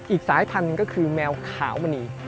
อีกสายพันธุ์หนึ่งก็คือแมวขาวมะนี